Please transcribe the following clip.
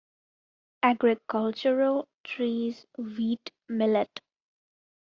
Agricultural, trees, wheat, millet.